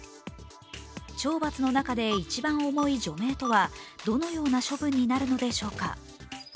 懲罰の中で、一番重い除名とはどのような処分になるのでしょうか。